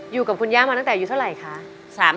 อยู่กับคุณย่ามาตั้งแต่อายุเท่าไหร่คะ